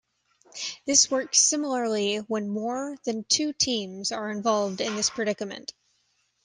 This works similarly when more than two teams are involved in this predicament.